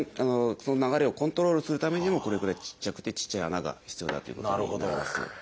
その流れをコントロールするためにもこれくらいちっちゃくてちっちゃい穴が必要だということになります。